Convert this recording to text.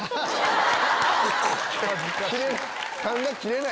痰が切れない。